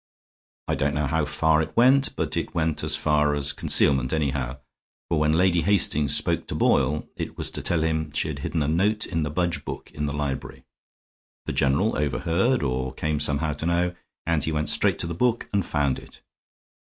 I don't know how far it went, but it went as far as concealment, anyhow; for when Lady Hastings spoke to Boyle it was to tell him she had hidden a note in the Budge book in the library. The general overheard, or came somehow to know, and he went straight to the book and found it.